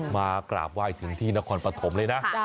มากราบไหว้ถึงที่นครปฐมเลยนะ